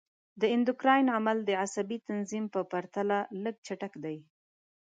د اندوکراین عمل د عصبي تنظیم په پرتله لږ چټک دی.